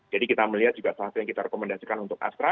jadi kita melihat juga saham yang kita rekomendasikan untuk astra